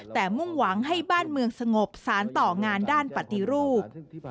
แต่มุ่งหวังให้บ้านเมืองสงบสารต่องานด้านปฏิรูป